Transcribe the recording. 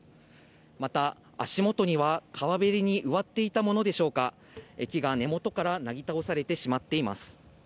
また足元には川べりに植わっていたものでしょうか、木が根元からなぎ倒されてしまっています。